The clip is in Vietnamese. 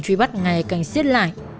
truy bắt ngày cành xiết lại